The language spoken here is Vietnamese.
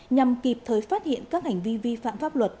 nhằm kịp thời phát hiện các hành vi vi phạm pháp luật